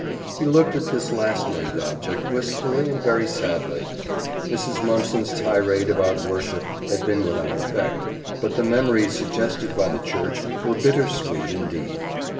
He looked at this last named object wistfully and very sadly. Mrs. Mumpson's tirade about worship had been without effect, but the memories suggested by the church were bitter sweet indeed.